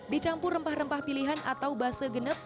dicampur rempah rempah pilihan atau base genep